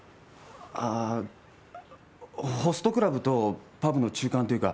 ああホストクラブとパブの中間っていうか